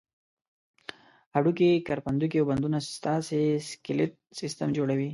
هډوکي، کرپندوکي او بندونه ستاسې سکلېټ سیستم جوړوي.